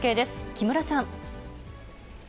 木村さん。